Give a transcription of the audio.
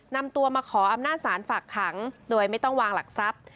นำตัวมาขออำนาจศาลฝากขังโดยไม่ต้องวางหลักทรัพย์